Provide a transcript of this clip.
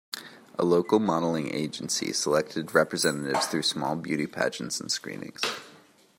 A local modelling agency selected representatives through small beauty pageants and screenings.